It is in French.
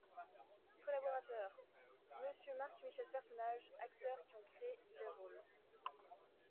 COLLABORATEURS : Monsieur MARC-MICHEL PERSONNAGES Acteurs qui ont créé les rôles.